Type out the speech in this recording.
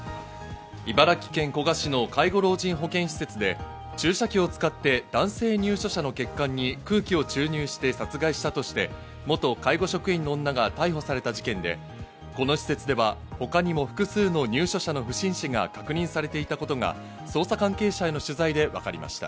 茨城県古河市の介護老人保健施設で注射器を使って、男性入所者の血管に空気を注入して殺害したとして、元介護職員の女が逮捕された事件で、この施設では他にも複数の入所者の不審死が確認されていたことが捜査関係者への取材でわかりました。